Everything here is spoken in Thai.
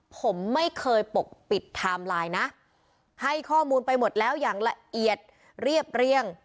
ผมไม่เคยปกปิดไทม์ไลน์นะให้ข้อมูลไปหมดแล้วอย่างละเอียดเรียบเรียง